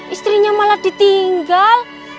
istrinya malah ditinggal